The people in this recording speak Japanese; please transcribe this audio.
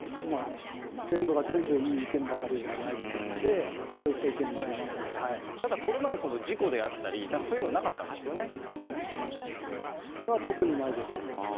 全部が全部、いい意見ばかりではないと思うので、そういった意見もありますのただこれまで事故であったりとか、特にないです。